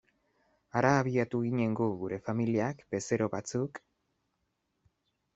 Hara abiatu ginen gu, gure familiak, bezero batzuk...